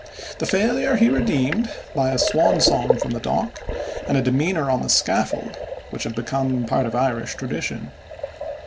The failure he redeemed by a swan song from the dock and a demeanor on the scaffold which have become part of Irish tradition.